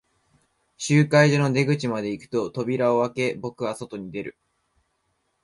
集会所の出口まで行くと、扉を開け、僕は外に出る。